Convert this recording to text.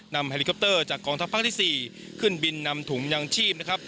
แฮลิคอปเตอร์จากกองทัพภาคที่๔ขึ้นบินนำถุงยางชีพนะครับ